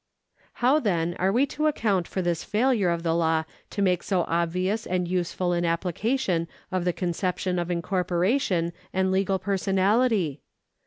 How, then, are we to account for this failure of the law to make so obvious and useful an application of the conception of incorporation and legal personality